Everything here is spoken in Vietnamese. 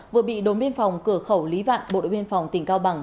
vừa bị đồn biên phòng cửa khẩu lý vạn bộ đội biên phòng tỉnh cao bằng